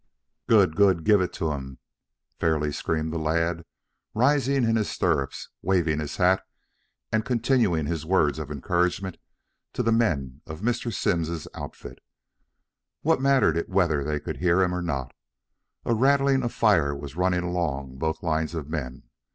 "Good! Good! Give it to them!" fairly screamed the lad, rising in his stirrups, waving his hat and continuing his words of encouragement to the men of Mr. Simms's outfit. What mattered it whether they could hear him or not? A rattling fire was running along both lines of men.